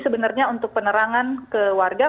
sebenarnya untuk penerangan ke warga